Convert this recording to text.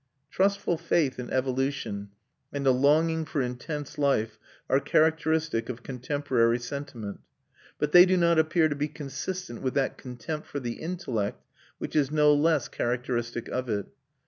Trustful faith in evolution and a longing for intense life are characteristic of contemporary sentiment; but they do not appear to be consistent with that contempt for the intellect which is no less characteristic of it.